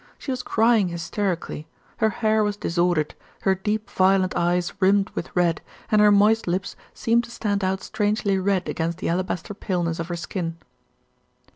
She was crying hysterically. Her hair was disordered, her deep violet eyes rimmed with red, and her moist lips seemed to stand out strangely red against the alabaster paleness of her skin.